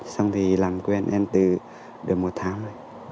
xong thì làm quen em từ được một tháng rồi